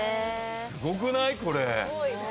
すごくない⁉これ。